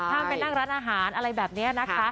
ห้ามไปนั่งร้านอาหารอะไรแบบนี้นะคะ